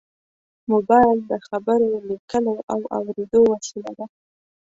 موبایل د خبرو، لیکلو او اورېدو وسیله ده.